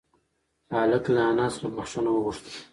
هلک له انا څخه بښنه وغوښته.